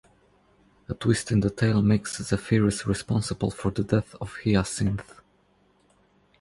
A twist in the tale makes Zephyrus responsible for the death of Hyacinth.